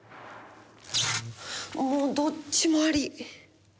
もうどっちもあり。